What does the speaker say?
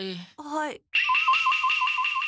はい。